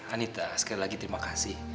anita sekali lagi terima kasih